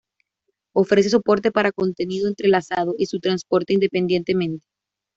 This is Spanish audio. Ofrece soporte para contenido entrelazado, y su transporte independientemente.